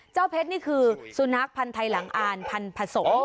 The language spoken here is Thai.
เจ้าเพชรนี่คือสุนัขพันธ์ไทยหลังอ่านพันธสม